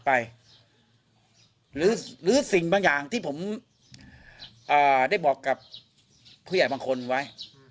หรือสิ่งบางอย่างที่ผมได้บอกกับผู้ใหญ่บางคนไว้